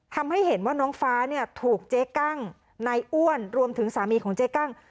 ทำให้เห็นว่าน้องฟ้าเนี่ยถูกเจ๊กั้งนายอ้วนรวมถึงสามีของเจ๊กั้ง